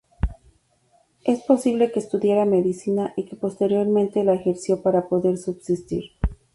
Es posible que estudiara medicina y que posteriormente la ejerció para poder subsistir.